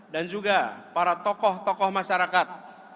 dan juga para tokoh tokoh masyarakat